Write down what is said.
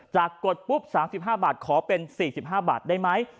กดปุ๊บ๓๕บาทขอเป็น๔๕บาทได้ไหม